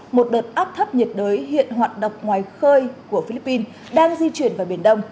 một đợt áp thấp nhiệt đới hiện hoạt động ngoài khơi của philippines đang di chuyển vào biển đông